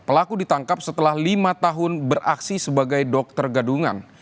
pelaku ditangkap setelah lima tahun beraksi sebagai dokter gadungan